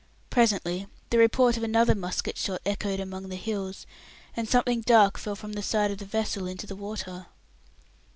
Presently the report of another musket shot echoed among the hills, and something dark fell from the side of the vessel into the water.